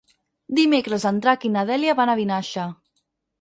Dimecres en Drac i na Dèlia van a Vinaixa.